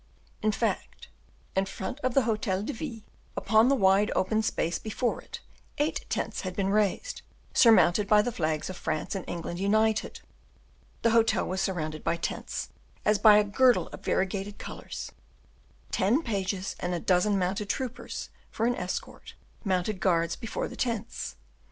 In fact, in front of the Hotel de Ville, upon the wide open space before it, eight tents had been raised, surmounted by the flags of France and England united. The hotel was surrounded by tents, as by a girdle of variegated colors; ten pages and a dozen mounted troopers, for an escort, mounted guard before the tents.